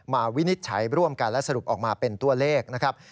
วินิจฉัยร่วมกันและสรุปออกมาเป็นตัวเลขนะครับ